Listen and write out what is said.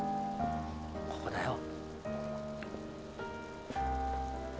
「ここだよ」